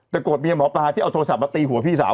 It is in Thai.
แต่โกรธเมียหมอปลาที่เอาโทรศัพท์มาตีหัวพี่สาว